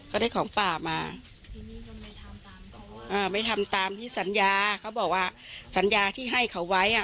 เขาได้ของป้ามาอ่าไม่ทำตามที่สัญญาเขาบอกว่าสัญญาที่ให้เขาไว้อ่ะ